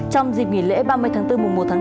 trong dịp nghỉ lễ ba mươi tháng bốn mùa một tháng năm